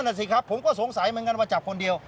นั่นสิครับผมก็สงสัยเหมือนกันว่าจับคนเดียว